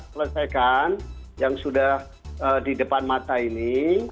selesaikan yang sudah di depan mata ini